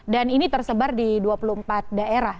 dan ini tersebar di dua puluh empat daerah